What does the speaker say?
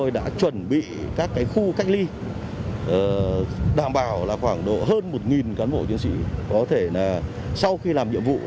đảm bảo là khoảng hơn một can bộ chiến sĩ có thể là sau khi làm nhiệm vụ